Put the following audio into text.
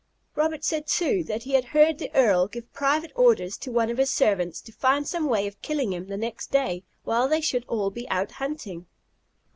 Robert said, too, that he had heard the Earl give private orders to one of his servants to find some way of killing him next day, while they should all be out hunting.